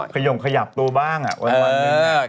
อ๋อคย่มขยับตัวบ้างอ่ะวันนี้